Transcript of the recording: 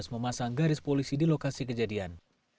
memasang garis polisi di lokasi kejadian